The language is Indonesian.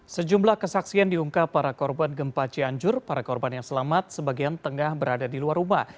sejumlah kesaksian diungkap para korban gempa cianjur para korban yang selamat sebagian tengah berada di luar rumah